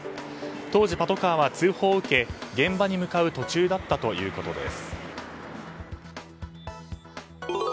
当時、パトカーは通報を受け現場に向かう途中だったということです。